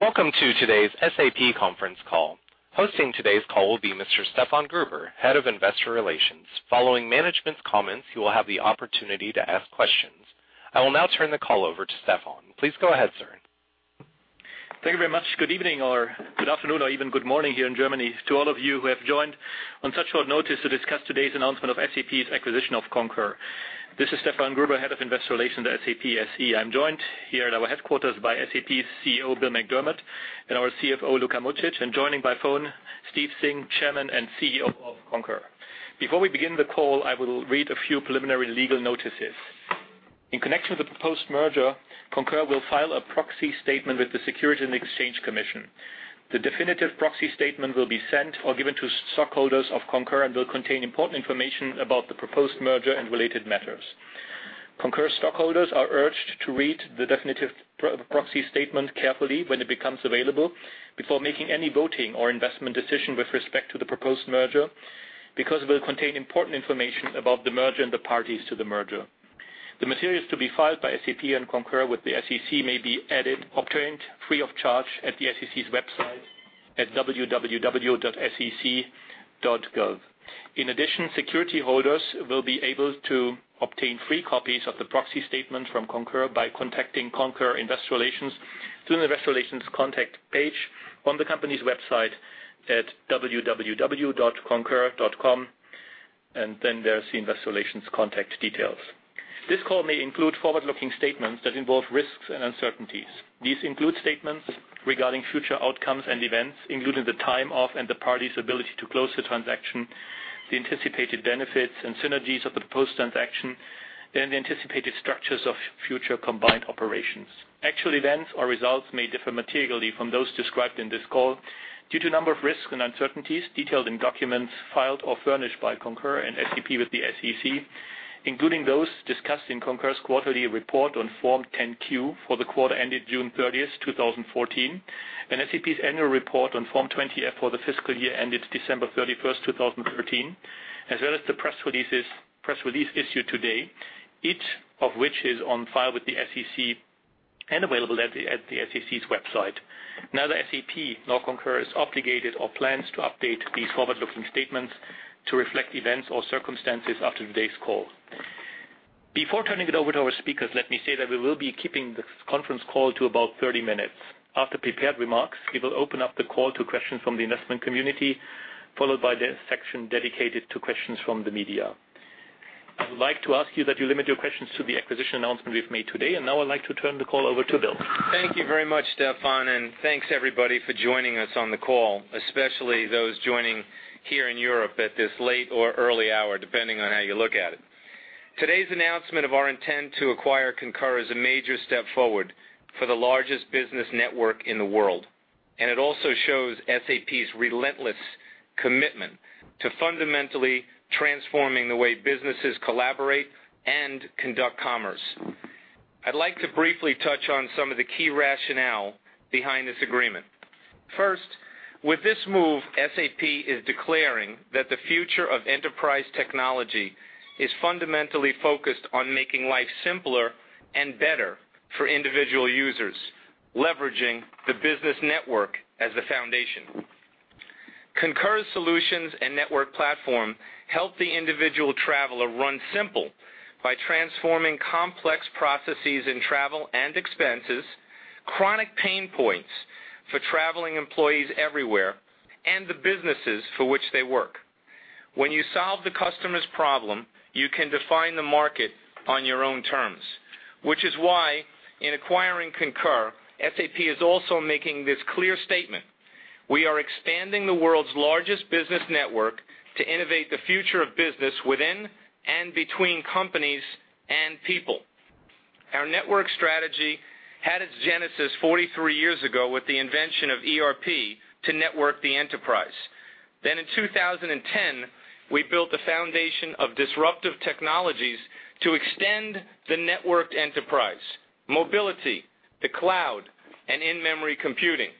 Welcome to today's SAP conference call. Hosting today's call will be Mr. Stefan Gruber, Head of Investor Relations. Following management's comments, you will have the opportunity to ask questions. I will now turn the call over to Stefan. Please go ahead, sir. Thank you very much. Good evening or good afternoon or even good morning here in Germany to all of you who have joined on such short notice to discuss today's announcement of SAP's acquisition of Concur. This is Stefan Gruber, Head of Investor Relations at SAP SE. I am joined here at our headquarters by SAP CEO Bill McDermott and our CFO Luka Mucic, and joining by phone, Steve Singh, Chairman and CEO of Concur. Before we begin the call, I will read a few preliminary legal notices. In connection with the proposed merger, Concur will file a proxy statement with the Securities and Exchange Commission. The definitive proxy statement will be sent or given to stockholders of Concur and will contain important information about the proposed merger and related matters. Concur stockholders are urged to read the definitive proxy statement carefully when it becomes available before making any voting or investment decision with respect to the proposed merger, because it will contain important information about the merger and the parties to the merger. The materials to be filed by SAP and Concur with the SEC may be obtained free of charge at the SEC's website at www.sec.gov. In addition, security holders will be able to obtain free copies of the proxy statement from Concur by contacting Concur Investor Relations through the Investor Relations contact page on the company's website at www.concur.com, there's the Investor Relations contact details. This call may include forward-looking statements that involve risks and uncertainties. These include statements regarding future outcomes and events, including the time of and the party's ability to close the transaction, the anticipated benefits and synergies of the proposed transaction, and the anticipated structures of future combined operations. Actual events or results may differ materially from those described in this call due to a number of risks and uncertainties detailed in documents filed or furnished by Concur and SAP with the SEC, including those discussed in Concur's quarterly report on Form 10-Q for the quarter ended June 30th, 2014, and SAP's annual report on Form 20-F for the fiscal year ended December 31st, 2013, as well as the press release issued today, each of which is on file with the SEC and available at the SEC's website. Neither SAP nor Concur is obligated or plans to update these forward-looking statements to reflect events or circumstances after today's call. Before turning it over to our speakers, let me say that we will be keeping this conference call to about 30 minutes. After prepared remarks, we will open up the call to questions from the investment community, followed by the section dedicated to questions from the media. I would like to ask you that you limit your questions to the acquisition announcement we've made today. Now I'd like to turn the call over to Bill. Thank you very much, Stefan, and thanks everybody for joining us on the call, especially those joining here in Europe at this late or early hour, depending on how you look at it. Today's announcement of our intent to acquire Concur is a major step forward for the largest Business Network in the world. It also shows SAP's relentless commitment to fundamentally transforming the way businesses collaborate and conduct commerce. I'd like to briefly touch on some of the key rationale behind this agreement. First, with this move, SAP is declaring that the future of enterprise technology is fundamentally focused on making life simpler and better for individual users, leveraging the Business Network as the foundation. Concur's solutions and network platform help the individual traveler Run Simple by transforming complex processes in travel and expenses, chronic pain points for traveling employees everywhere, and the businesses for which they work. When you solve the customer's problem, you can define the market on your own terms. Which is why in acquiring Concur, SAP is also making this clear statement: We are expanding the world's largest business network to innovate the future of business within and between companies and people. Our network strategy had its genesis 43 years ago with the invention of ERP to network the enterprise. In 2010, we built the foundation of disruptive technologies to extend the networked enterprise, mobility, the cloud, and in-memory computing.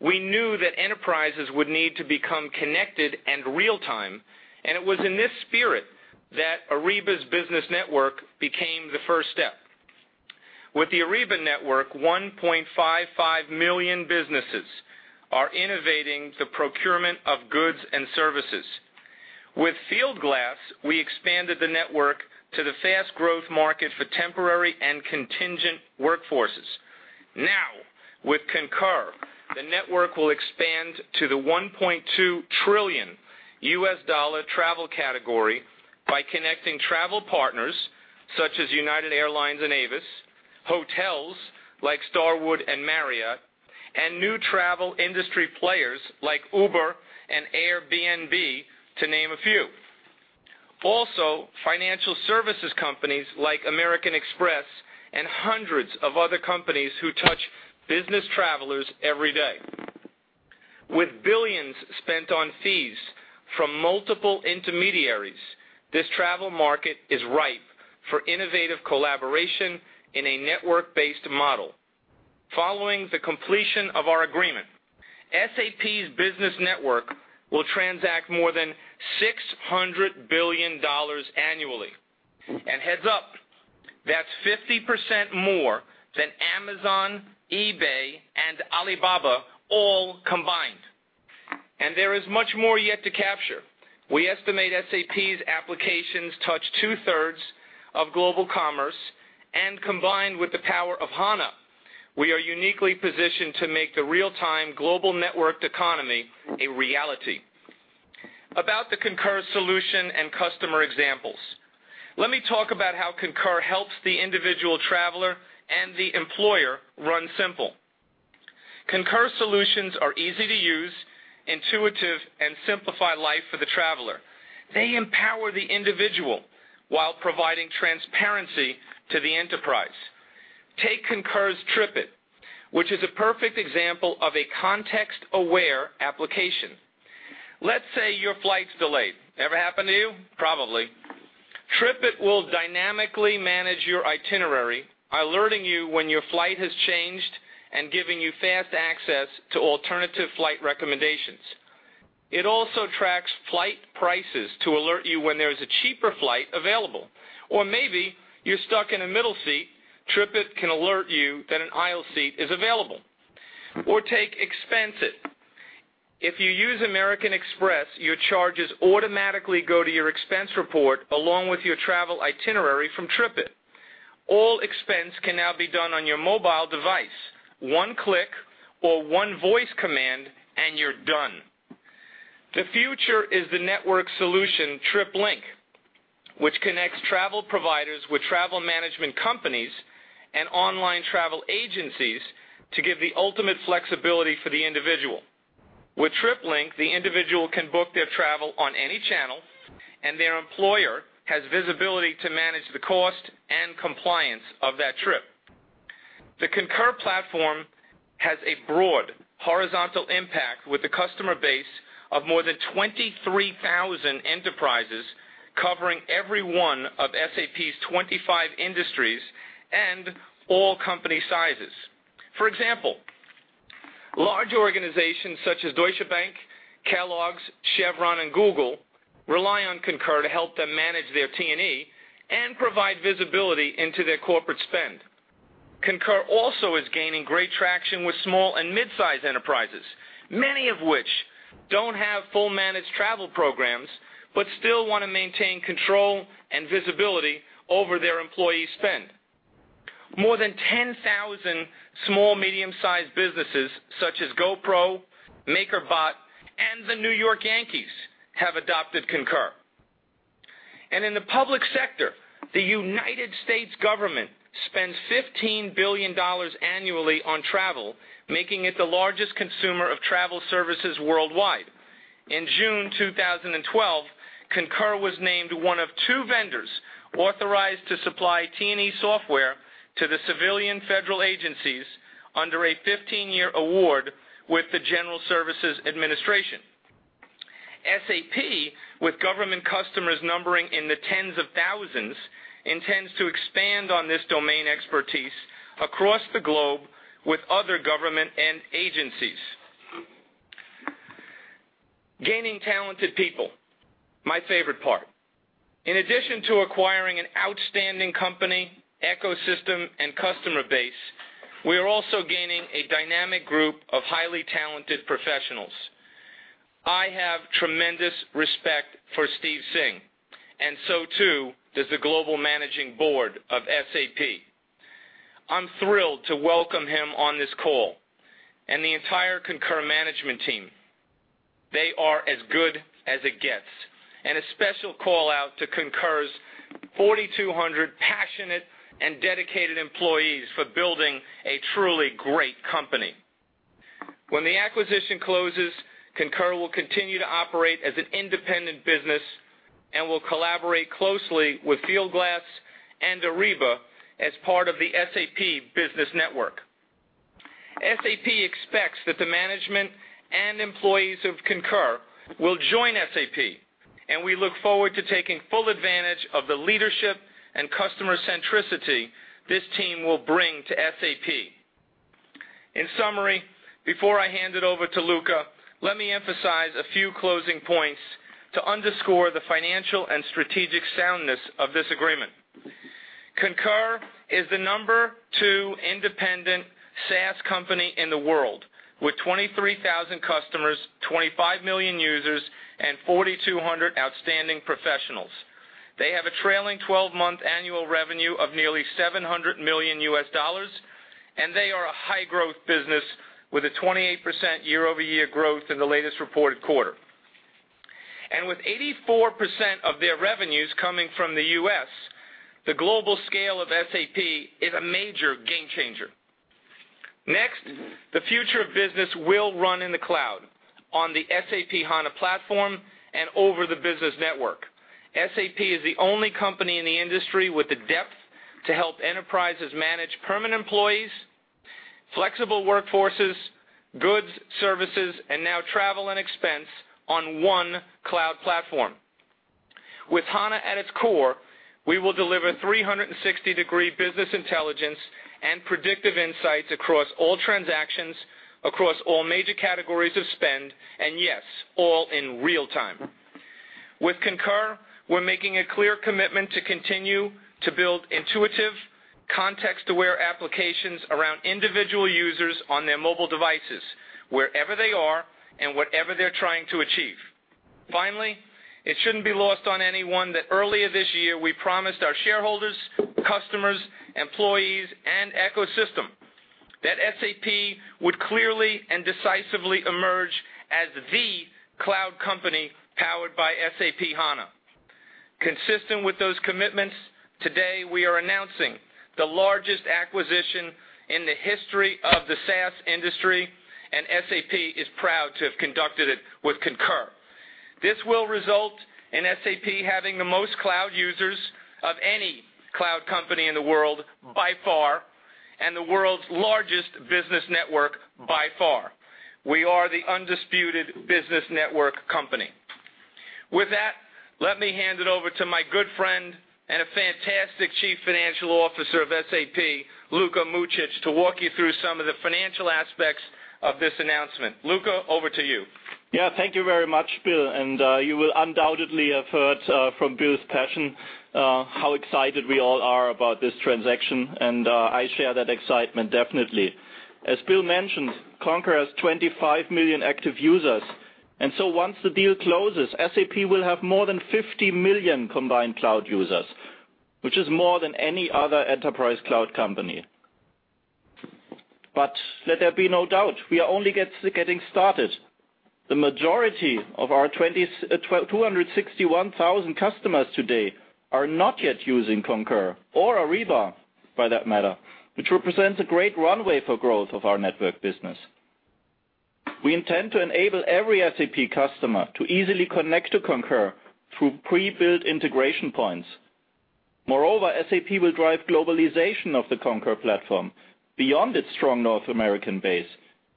We knew that enterprises would need to become connected in real time. It was in this spirit that Ariba's business network became the first step. With the Ariba network, 1.55 million businesses are innovating the procurement of goods and services. With Fieldglass, we expanded the network to the fast growth market for temporary and contingent workforces. With Concur, the network will expand to the EUR 1.2 trillion travel category by connecting travel partners, such as United Airlines and Avis, hotels like Starwood and Marriott, and new travel industry players like Uber and Airbnb, to name a few. Financial services companies like American Express and hundreds of other companies who touch business travelers every day. With billions spent on fees from multiple intermediaries, this travel market is ripe for innovative collaboration in a network-based model. Following the completion of our agreement, SAP's business network will transact more than EUR 600 billion annually. Heads up That's 50% more than Amazon, eBay, and Alibaba all combined. There is much more yet to capture. We estimate SAP's applications touch two-thirds of global commerce, and combined with the power of HANA, we are uniquely positioned to make the real-time global networked economy a reality. About the Concur solution and customer examples. Let me talk about how Concur helps the individual traveler and the employer run simple. Concur solutions are easy to use, intuitive, and simplify life for the traveler. They empower the individual while providing transparency to the enterprise. Take Concur's TripIt, which is a perfect example of a context-aware application. Let's say your flight's delayed. Ever happened to you? Probably. TripIt will dynamically manage your itinerary, alerting you when your flight has changed and giving you fast access to alternative flight recommendations. It also tracks flight prices to alert you when there is a cheaper flight available. Or maybe you're stuck in a middle seat. TripIt can alert you that an aisle seat is available. Or take ExpenseIt. If you use American Express, your charges automatically go to your expense report along with your travel itinerary from TripIt. All expense can now be done on your mobile device. One click or one voice command, and you're done. The future is the network solution TripLink, which connects travel providers with travel management companies and online travel agencies to give the ultimate flexibility for the individual. With TripLink, the individual can book their travel on any channel, and their employer has visibility to manage the cost and compliance of that trip. The Concur platform has a broad horizontal impact with a customer base of more than 23,000 enterprises, covering every one of SAP's 25 industries and all company sizes. For example, large organizations such as Deutsche Bank, Kellogg's, Chevron, and Google rely on Concur to help them manage their T&E and provide visibility into their corporate spend. Concur also is gaining great traction with small and mid-size enterprises, many of which don't have full managed travel programs, but still want to maintain control and visibility over their employee spend. More than 10,000 small, medium-sized businesses such as GoPro, MakerBot, and the New York Yankees have adopted Concur. In the public sector, the United States government spends EUR 15 billion annually on travel, making it the largest consumer of travel services worldwide. In June 2012, Concur was named one of two vendors authorized to supply T&E software to the civilian federal agencies under a 15-year award with the General Services Administration. SAP, with government customers numbering in the tens of thousands, intends to expand on this domain expertise across the globe with other government and agencies. Gaining talented people, my favorite part. In addition to acquiring an outstanding company, ecosystem, and customer base, we are also gaining a dynamic group of highly talented professionals. I have tremendous respect for Steve Singh, and so too does the global managing board of SAP. I'm thrilled to welcome him on this call and the entire Concur management team. They are as good as it gets. A special call-out to Concur's 4,200 passionate and dedicated employees for building a truly great company. When the acquisition closes, Concur will continue to operate as an independent business and will collaborate closely with Fieldglass and Ariba as part of the SAP Business Network. SAP expects that the management and employees of Concur will join SAP, we look forward to taking full advantage of the leadership and customer centricity this team will bring to SAP. In summary, before I hand it over to Luka, let me emphasize a few closing points to underscore the financial and strategic soundness of this agreement. Concur is the number two independent SaaS company in the world, with 23,000 customers, 25 million users, and 4,200 outstanding professionals. They have a trailing 12-month annual revenue of nearly $700 million US, and they are a high-growth business with a 28% year-over-year growth in the latest reported quarter. With 84% of their revenues coming from the U.S., the global scale of SAP is a major game changer. Next, the future of business will run in the cloud, on the SAP HANA platform and over the Business Network. SAP is the only company in the industry with the depth to help enterprises manage permanent employees, flexible workforces, goods, services, and now travel and expense on one cloud platform. With HANA at its core, we will deliver 360-degree business intelligence and predictive insights across all transactions, across all major categories of spend, and yes, all in real time. With Concur, we're making a clear commitment to continue to build intuitive context-aware applications around individual users on their mobile devices, wherever they are and whatever they're trying to achieve. Finally, it shouldn't be lost on anyone that earlier this year we promised our shareholders, customers, employees, and ecosystem that SAP would clearly and decisively emerge as the cloud company powered by SAP HANA. Consistent with those commitments, today we are announcing the largest acquisition in the history of the SaaS industry, SAP is proud to have conducted it with Concur. This will result in SAP having the most cloud users of any cloud company in the world by far, and the world's largest Business Network by far. We are the undisputed Business Network company. With that, let me hand it over to my good friend and a fantastic chief financial officer of SAP, Luka Mucic, to walk you through some of the financial aspects of this announcement. Luka, over to you. Thank you very much, Bill, you will undoubtedly have heard from Bill's passion, how excited we all are about this transaction. I share that excitement definitely. As Bill mentioned, Concur has 25 million active users. Once the deal closes, SAP will have more than 50 million combined cloud users, which is more than any other enterprise cloud company. Let there be no doubt, we are only getting started. The majority of our 261,000 customers today are not yet using Concur or Ariba for that matter, which represents a great runway for growth of our network business. We intend to enable every SAP customer to easily connect to Concur through pre-built integration points. Moreover, SAP will drive globalization of the Concur platform beyond its strong North American base,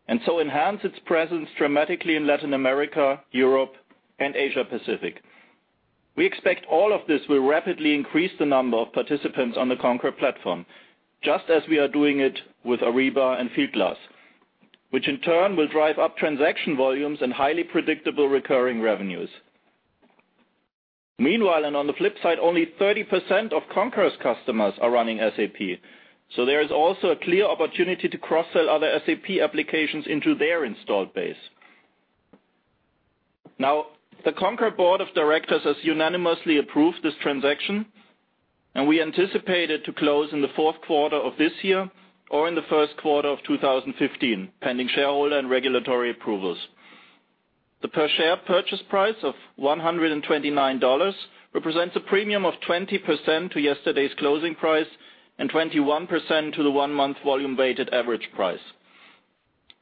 enhance its presence dramatically in Latin America, Europe, and Asia Pacific. We expect all of this will rapidly increase the number of participants on the Concur platform, just as we are doing it with Ariba and Fieldglass. Which in turn will drive up transaction volumes and highly predictable recurring revenues. Meanwhile, and on the flip side, only 30% of Concur's customers are running SAP, there is also a clear opportunity to cross-sell other SAP applications into their installed base. Now, the Concur board of directors has unanimously approved this transaction, and we anticipate it to close in the fourth quarter of this year or in the first quarter of 2015, pending shareholder and regulatory approvals. The per share purchase price of $129 represents a premium of 20% to yesterday's closing price and 21% to the one-month volume weighted average price.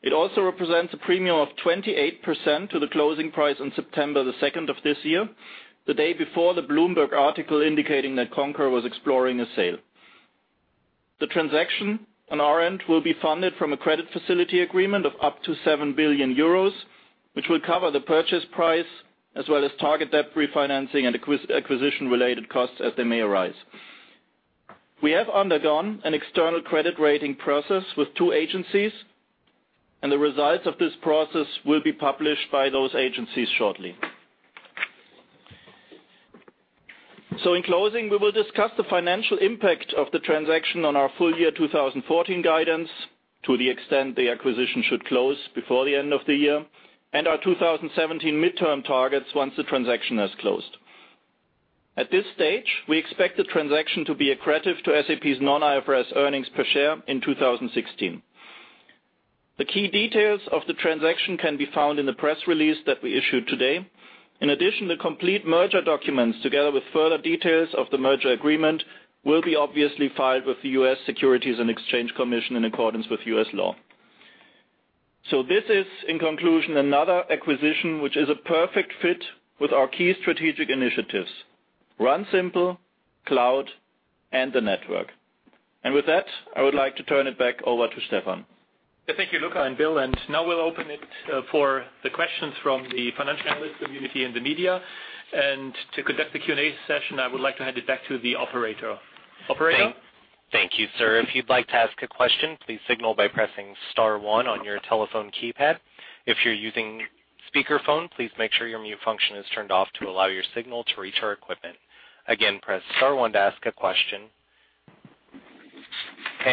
It also represents a premium of 28% to the closing price on September 2nd of this year, the day before the Bloomberg article indicating that Concur was exploring a sale. The transaction on our end will be funded from a credit facility agreement of up to 7 billion euros, which will cover the purchase price as well as target debt refinancing and acquisition-related costs as they may arise. We have undergone an external credit rating process with two agencies, the results of this process will be published by those agencies shortly. In closing, we will discuss the financial impact of the transaction on our full year 2014 guidance to the extent the acquisition should close before the end of the year, and our 2017 midterm targets once the transaction has closed. At this stage, we expect the transaction to be accretive to SAP's non-IFRS earnings per share in 2016. The key details of the transaction can be found in the press release that we issued today. In addition, the complete merger documents, together with further details of the merger agreement, will be obviously filed with the U.S. Securities and Exchange Commission in accordance with U.S. law. This is, in conclusion, another acquisition which is a perfect fit with our key strategic initiatives, Run Simple, cloud, and the network. With that, I would like to turn it back over to Stefan. Thank you, Luka and Bill. Now we'll open it for the questions from the financial analyst community and the media. To conduct the Q&A session, I would like to hand it back to the operator. Operator? Thank you, sir. If you'd like to ask a question, please signal by pressing *1 on your telephone keypad. If you're using speakerphone, please make sure your mute function is turned off to allow your signal to reach our equipment. Again, press *1 to ask a question.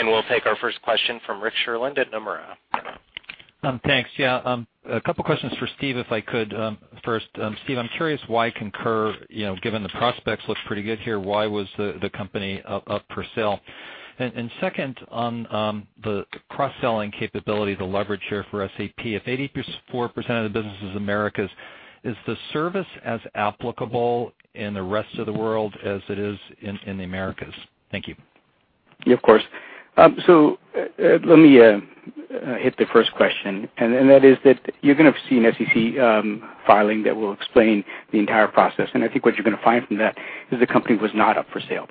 We'll take our first question from Rick Sherlund at Nomura. Thanks. Yeah. A couple questions for Steve, if I could first. Steve, I'm curious why Concur, given the prospects look pretty good here, why was the company up for sale? Second, on the cross-selling capability, the leverage here for SAP, if 84% of the business is Americas, is the service as applicable in the rest of the world as it is in the Americas? Thank you. Yeah, of course. Let me hit the first question, and that is that you're going to see an SEC filing that will explain the entire process. I think what you're going to find from that is the company was not up for sale.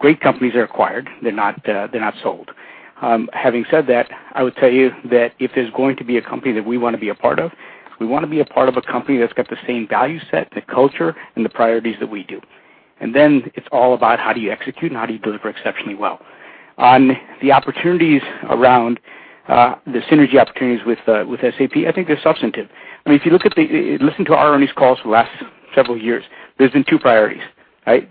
Great companies are acquired, they're not sold. Having said that, I would tell you that if there's going to be a company that we want to be a part of, we want to be a part of a company that's got the same value set, the culture, and the priorities that we do. Then it's all about how do you execute and how do you deliver exceptionally well. On the opportunities around the synergy opportunities with SAP, I think they're substantive. If you listen to our earnings calls for the last several years, there's been two priorities.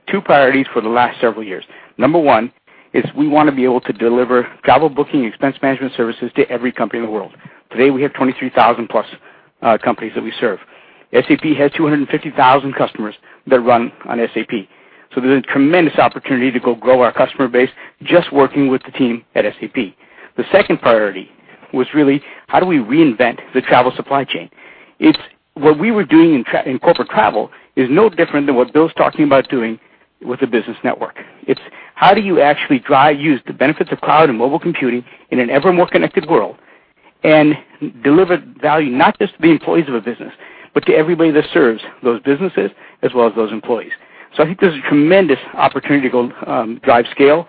Two priorities for the last several years. Number one is we want to be able to deliver travel booking expense management services to every company in the world. Today, we have 23,000-plus companies that we serve. SAP has 250,000 customers that run on SAP. There's a tremendous opportunity to go grow our customer base, just working with the team at SAP. The second priority was really, how do we reinvent the travel supply chain? What we were doing in corporate travel is no different than what Bill's talking about doing with the Business Network. It's how do you actually drive use, the benefits of cloud and mobile computing in an ever more connected world, and deliver value not just to the employees of a business, but to everybody that serves those businesses as well as those employees. I think there's a tremendous opportunity to drive scale.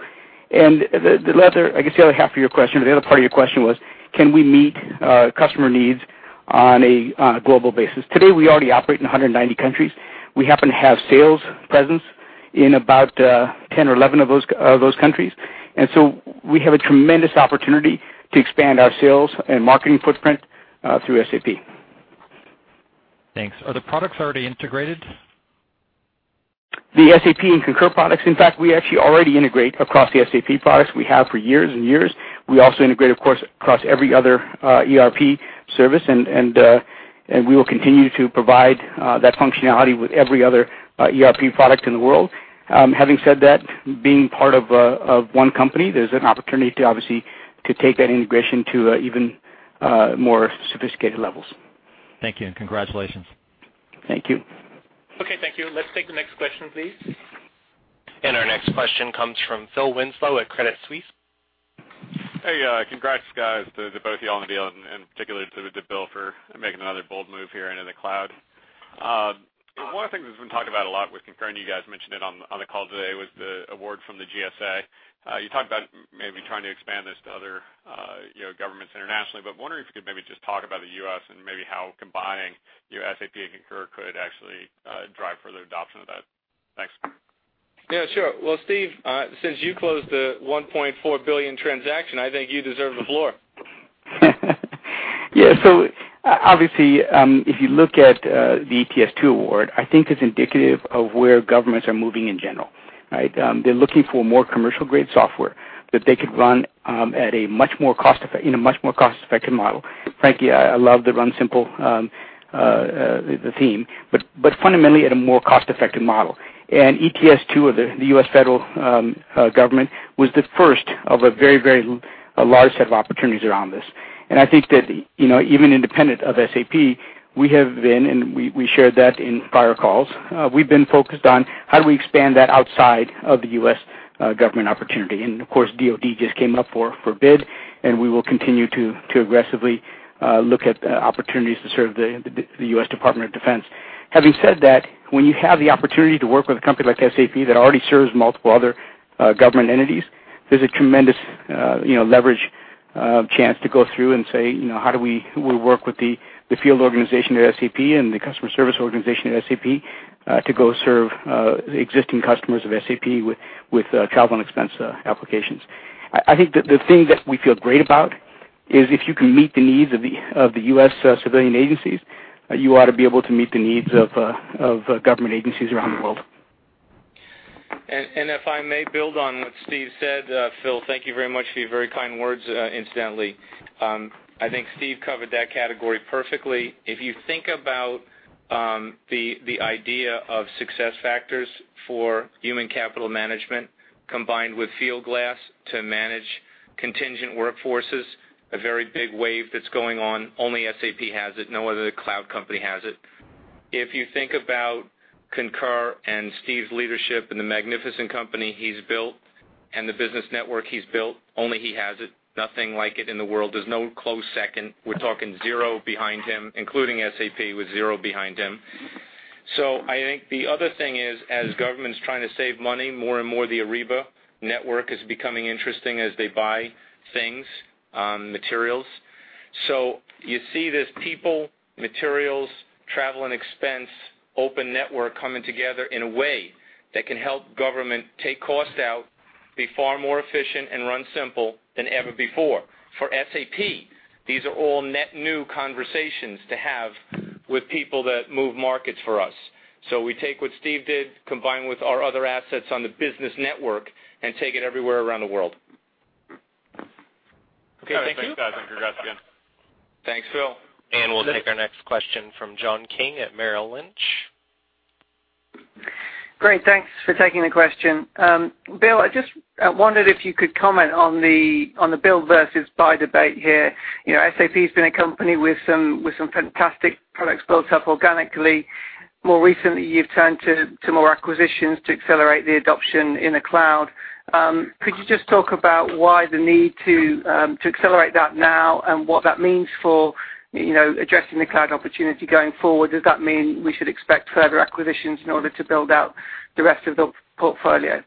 I guess the other half of your question, or the other part of your question was, can we meet customer needs on a global basis? Today, we already operate in 190 countries. We happen to have sales presence in about 10 or 11 of those countries. We have a tremendous opportunity to expand our sales and marketing footprint through SAP. Thanks. Are the products already integrated? The SAP and Concur products, in fact, we actually already integrate across the SAP products. We have for years and years. We also integrate, of course, across every other ERP service, and we will continue to provide that functionality with every other ERP product in the world. Having said that, being part of one company, there's an opportunity to obviously take that integration to even more sophisticated levels. Thank you, and congratulations. Thank you. Okay, thank you. Let's take the next question, please. Our next question comes from Phil Winslow at Credit Suisse. Hey, congrats, guys, to both of you all on the deal, and particularly to Bill for making another bold move here into the cloud. One of the things that's been talked about a lot with Concur, and you guys mentioned it on the call today, was the award from the GSA. You talked about maybe trying to expand this to other governments internationally, but wondering if you could maybe just talk about the U.S. and maybe how combining your SAP and Concur could actually drive further adoption of that. Thanks. Sure. Well, Steve, since you closed the 1.4 billion transaction, I think you deserve the floor. Obviously, if you look at the ETS2 award, I think it's indicative of where governments are moving in general. They're looking for more commercial-grade software that they could run in a much more cost-effective model. Frankly, I love the Run Simple, the theme, fundamentally at a more cost-effective model. ETS2 of the U.S. federal government was the first of a very large set of opportunities around this. I think that even independent of SAP, we have been, and we shared that in prior calls, we've been focused on how do we expand that outside of the U.S. government opportunity. Of course, DoD just came up for bid, and we will continue to aggressively look at opportunities to serve the U.S. Department of Defense. Having said that, when you have the opportunity to work with a company like SAP that already serves multiple other government entities, there's a tremendous leverage chance to go through and say, how do we work with the field organization at SAP and the customer service organization at SAP to go serve the existing customers of SAP with travel and expense applications. I think that the thing that we feel great about is if you can meet the needs of the U.S. civilian agencies, you ought to be able to meet the needs of government agencies around the world. If I may build on what Steve said, Phil, thank you very much for your very kind words, incidentally. I think Steve covered that category perfectly. If you think about the idea of SuccessFactors for human capital management combined with Fieldglass to manage contingent workforces, a very big wave that's going on, only SAP has it. No other cloud company has it. If you think about Concur and Steve's leadership and the magnificent company he's built and the Business Network he's built, only he has it. Nothing like it in the world. There's no close second. We're talking zero behind him, including SAP, with zero behind him. I think the other thing is, as government's trying to save money, more and more the Ariba Network is becoming interesting as they buy things, materials. You see this people, materials, travel and expense, open network coming together in a way that can help government take costs out, be far more efficient, and Run Simple than ever before. For SAP, these are all net new conversations to have with people that move markets for us. We take what Steve did, combine with our other assets on the SAP Business Network, and take it everywhere around the world. Okay, thank you. Thanks, guys. Thanks for asking. Thanks, Phil. We'll take our next question from John King at Merrill Lynch. Great. Thanks for taking the question. Bill, I just wondered if you could comment on the build versus buy debate here. SAP's been a company with some fantastic products built up organically. More recently, you've turned to more acquisitions to accelerate the adoption in the cloud. Could you just talk about why the need to accelerate that now and what that means for addressing the cloud opportunity going forward? Does that mean we should expect further acquisitions in order to build out the rest of the portfolio?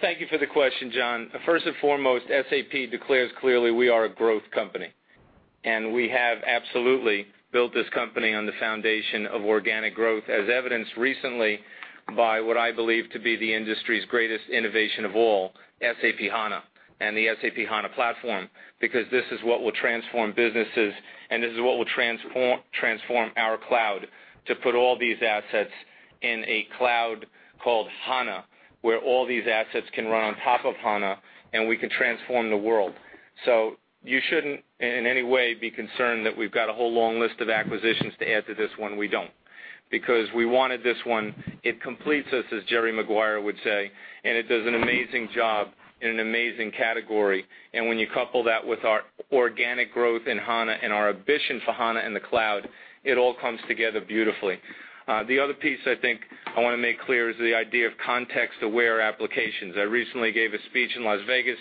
Thank you for the question, John. First and foremost, SAP declares clearly we are a growth company. We have absolutely built this company on the foundation of organic growth, as evidenced recently by what I believe to be the industry's greatest innovation of all, SAP HANA and the SAP HANA platform. This is what will transform businesses, and this is what will transform our cloud to put all these assets in a cloud called HANA, where all these assets can run on top of HANA, and we can transform the world. You shouldn't, in any way, be concerned that we've got a whole long list of acquisitions to add to this one. We don't. We wanted this one. It completes us, as Jerry Maguire would say, and it does an amazing job in an amazing category. When you couple that with our organic growth in HANA and our ambition for HANA in the cloud, it all comes together beautifully. The other piece I think I want to make clear is the idea of context-aware applications. I recently gave a speech in Las Vegas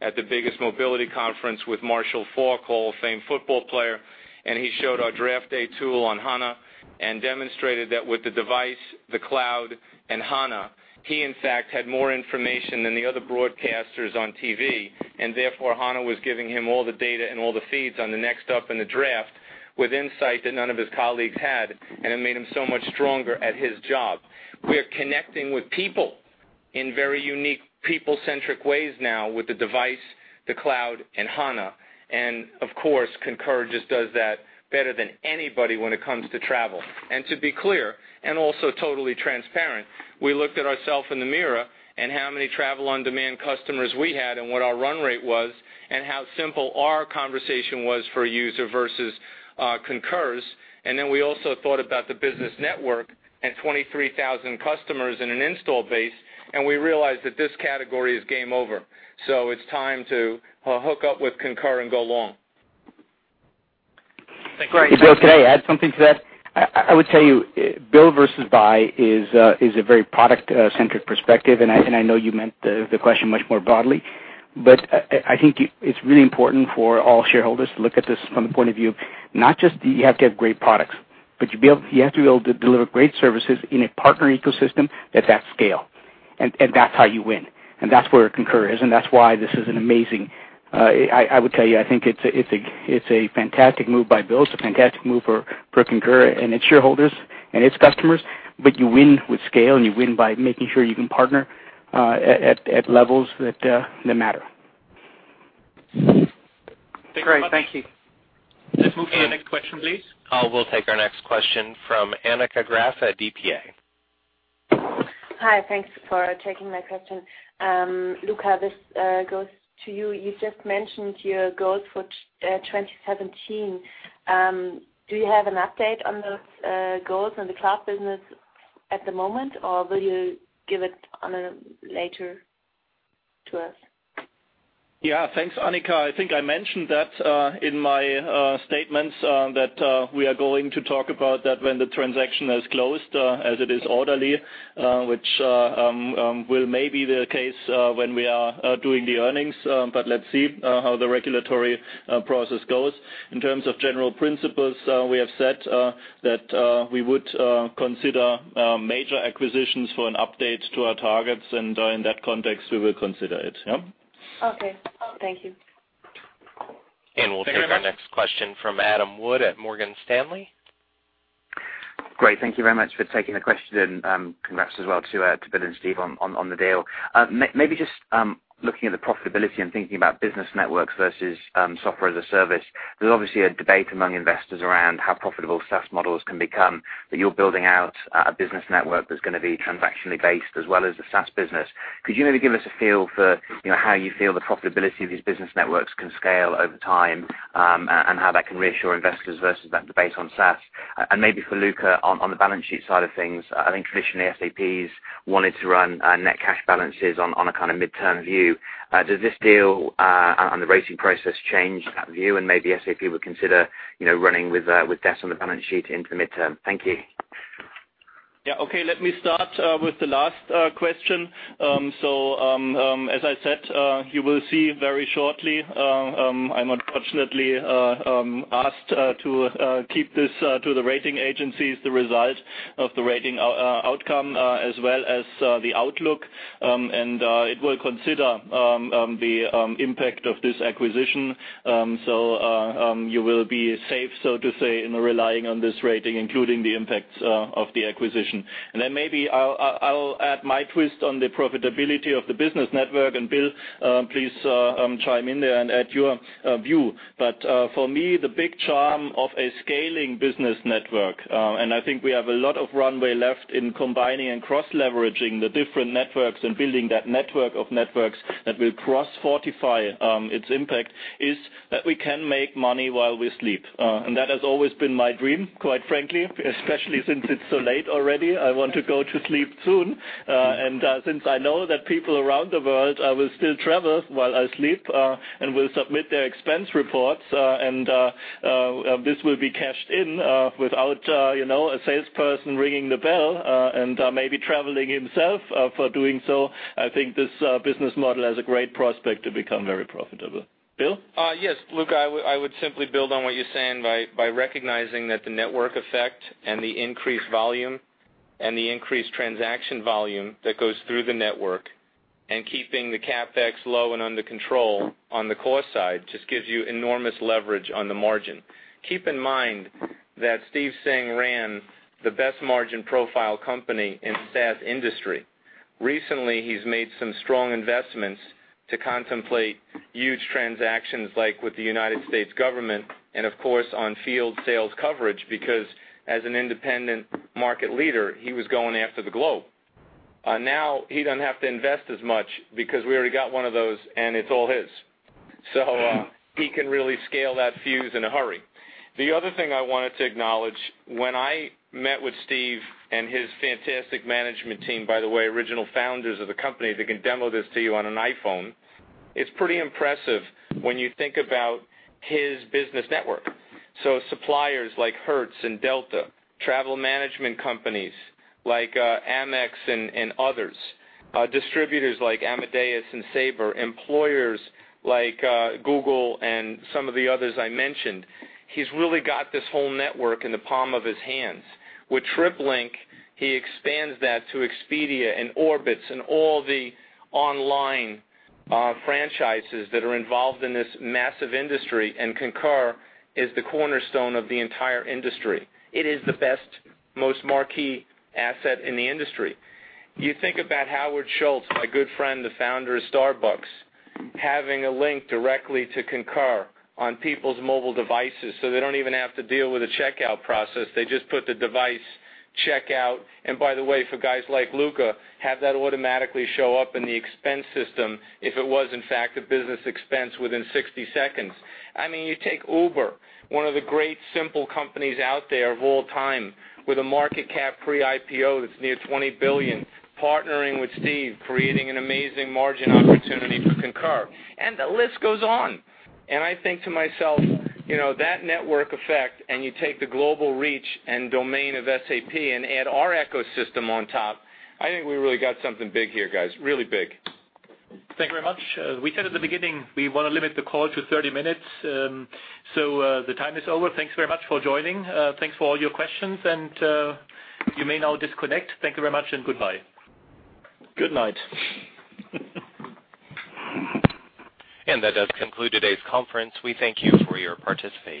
at the biggest mobility conference with Marshall Faulk, Hall of Fame football player, and he showed our draft day tool on HANA and demonstrated that with the device, the cloud, and HANA, he in fact had more information than the other broadcasters on TV, and therefore HANA was giving him all the data and all the feeds on the next up in the draft with insight that none of his colleagues had, and it made him so much stronger at his job. We are connecting with people in very unique people-centric ways now with the device, the cloud, and HANA. Of course, Concur just does that better than anybody when it comes to travel. To be clear, also totally transparent, we looked at ourselves in the mirror and how many travel on-demand customers we had and what our run rate was and how simple our conversation was for a user versus Concur's. Then we also thought about the business network and 23,000 customers in an install base, and we realized that this category is game over. It's time to hook up with Concur and go long. Great. Bill, could I add something to that? I would tell you, build versus buy is a very product-centric perspective, and I know you meant the question much more broadly. I think it's really important for all shareholders to look at this from the point of view, not just do you have to have great products. You have to be able to deliver great services in a partner ecosystem at that scale. That's how you win. That's where Concur is, and that's why this is an amazing. I would tell you, I think it's a fantastic move by Bill. It's a fantastic move for Concur and its shareholders and its customers. You win with scale, and you win by making sure you can partner at levels that matter. Great. Thank you. Let's move to the next question, please. We'll take our next question from Annika Graf at DPA. Hi. Thanks for taking my question. Luka, this goes to you. You just mentioned your goals for 2017. Do you have an update on those goals on the cloud business at the moment, or will you give it later to us? Yeah. Thanks, Annika. I think I mentioned that in my statements that we are going to talk about that when the transaction has closed, as it is orderly, which will may be the case when we are doing the earnings. Let's see how the regulatory process goes. In terms of general principles, we have said that we would consider major acquisitions for an update to our targets. In that context, we will consider it. Okay. Thank you. We'll take our next question from Adam Wood at Morgan Stanley. Great. Thank you very much for taking the question. Congrats as well to Bill and Steve on the deal. Maybe just looking at the profitability and thinking about business networks versus software as a service. There's obviously a debate among investors around how profitable SaaS models can become, but you're building out a business network that's going to be transactionally based as well as the SaaS business. Could you maybe give us a feel for how you feel the profitability of these business networks can scale over time, and how that can reassure investors versus that debate on SaaS? Maybe for Luka, on the balance sheet side of things, I think traditionally SAP's wanted to run net cash balances on a kind of midterm view. Does this deal on the rating process change that view? Maybe SAP would consider running with debt on the balance sheet into the midterm. Thank you. Yeah. Okay. Let me start with the last question. As I said, you will see very shortly. I'm unfortunately asked to keep this to the rating agencies, the result of the rating outcome as well as the outlook, and it will consider the impact of this acquisition. You will be safe, so to say, in relying on this rating, including the impacts of the acquisition. Then maybe I'll add my twist on the profitability of the business network, and Bill, please chime in there and add your view. But for me, the big charm of a scaling business network, and I think we have a lot of runway left in combining and cross-leveraging the different networks and building that network of networks that will cross-fortify its impact, is that we can make money while we sleep. That has always been my dream, quite frankly, especially since it's so late already. I want to go to sleep soon. Since I know that people around the world will still travel while I sleep and will submit their expense reports, this will be cashed in without a salesperson ringing the bell and maybe traveling himself for doing so. I think this business model has a great prospect to become very profitable. Bill? Yes. Luka, I would simply build on what you're saying by recognizing that the network effect and the increased volume and the increased transaction volume that goes through the network, and keeping the CapEx low and under control on the cost side, just gives you enormous leverage on the margin. Keep in mind that Steve Singh ran the best margin profile company in the SaaS industry. Recently, he's made some strong investments to contemplate huge transactions, like with the United States government and of course, on field sales coverage, because as an independent market leader, he was going after the globe. Now he doesn't have to invest as much because we already got one of those and it's all his. He can really scale that fuse in a hurry. The other thing I wanted to acknowledge, when I met with Steve and his fantastic management team, by the way, original founders of the company, they can demo this to you on an iPhone. It's pretty impressive when you think about his business network. Suppliers like Hertz and Delta, travel management companies like Amex and others, distributors like Amadeus and Sabre, employers like Google and some of the others I mentioned. He's really got this whole network in the palm of his hands. With TripLink, he expands that to Expedia and Orbitz and all the online franchises that are involved in this massive industry, and Concur is the cornerstone of the entire industry. It is the best, most marquee asset in the industry. You think about Howard Schultz, my good friend, the founder of Starbucks, having a link directly to Concur on people's mobile devices, so they don't even have to deal with a checkout process. They just put the device, checkout, and by the way, for guys like Luka, have that automatically show up in the expense system, if it was in fact a business expense within 60 seconds. You take Uber, one of the great simple companies out there of all time, with a market cap pre-IPO that's near $20 billion, partnering with Steve, creating an amazing margin opportunity for Concur. The list goes on. I think to myself, that network effect, and you take the global reach and domain of SAP and add our ecosystem on top, I think we really got something big here, guys, really big. Thank you very much. We said at the beginning we want to limit the call to 30 minutes. The time is over. Thanks very much for joining. Thanks for all your questions, and you may now disconnect. Thank you very much and goodbye. Good night. That does conclude today's conference. We thank you for your participation.